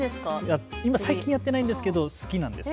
最近やってないんですけど好きなんです。